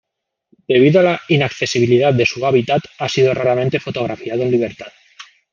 Debido a la inaccesibilidad de su hábitat ha sido raramente fotografiado en libertad.